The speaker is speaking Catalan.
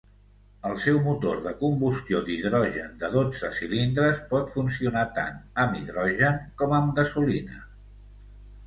El seu motor de combustió d'hidrogen de dotze cilindres pot funcionar tant amb hidrogen com amb gasolina.